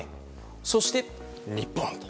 そして、日本と。